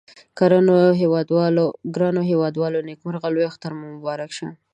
ګرانو هیوادوالو نیکمرغه لوي اختر مو مبارک